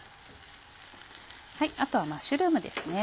あとはマッシュルームですね。